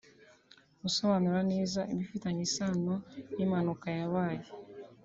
Gusobanura neza ibifitanye isano n’impanuka yabaye